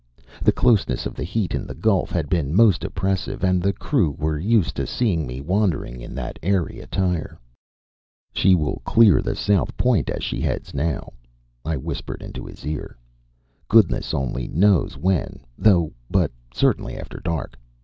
The closeness of the heat in the gulf had been most oppressive, and the crew were used to seeing me wandering in that airy attire. "She will clear the south point as she heads now," I whispered into his ear. "Goodness only knows when, though, but certainly after dark.